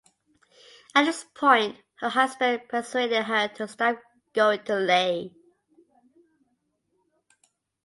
At this point her husband persuaded her to stop going to Lae.